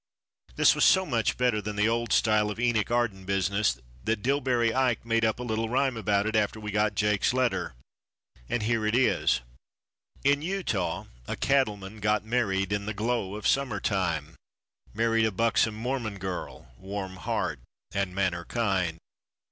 This was so much better than the old style of Enoch Arden business that Dillbery Ike made up a little rhyme about it after we got Jake's letter, and here it is: In Utah a cattleman got married in the glow of summer time, Married a buxom Mormon girl, warm heart and manner kind.